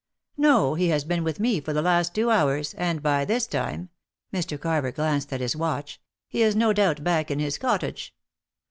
"No. He has been with me for the last two hours; and by this time" Mr. Carver glanced at his watch "he is no doubt back in his cottage."